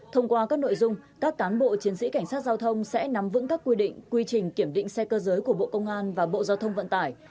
thông qua các nội dung các cán bộ chiến sĩ cảnh sát giao thông sẽ nắm vững các quy định quy trình kiểm định xe cơ giới của bộ công an và bộ giao thông vận tải